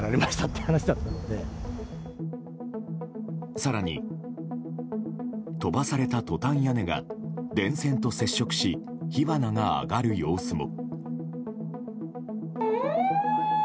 更に、飛ばされたトタン屋根が電線と接触し火花が上がる様子も。